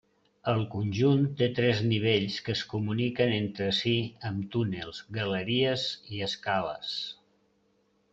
El conjunt té tres nivells que es comuniquen entre si amb túnels, galeries i escales.